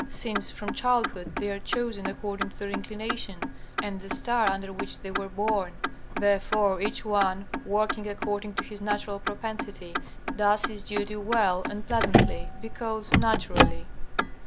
Since from childhood they are chosen according to their inclination and the star under which they were born, therefore each one working according to his natural propensity does his duty well and pleasantly, because naturally.